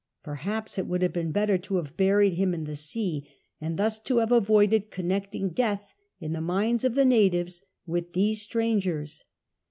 Perhaps it would have been better to have buried him in the sea, and thus to have avoided connecting death in the minds of the natives with these straiigera.